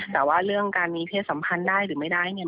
แต่ว่าเรื่องการมีเพศสัมพันธ์ได้หรือไม่ได้เนี่ย